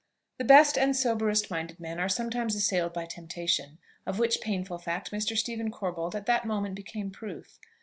The best and soberest minded men are sometimes assailed by temptation; of which painful fact Mr. Stephen Corbold at that moment became proof.